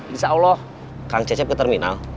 insya allah kang cecep ke terminal